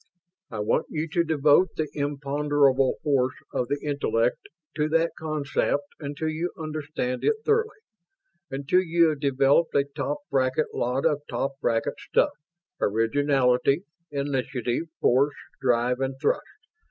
I want you to devote the imponderable force of the intellect to that concept until you understand it thoroughly. Until you have developed a top bracket lot of top bracket stuff originality, initiative, force, drive, and thrust.